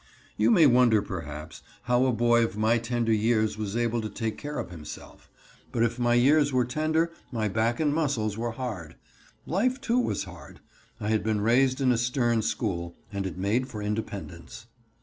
You may wonder perhaps how a boy of my tender years was able to take care of himself. But if my years were tender, my back and muscles were hard. Life, too, was hard. I had been raised in a stern school, and it made for independence.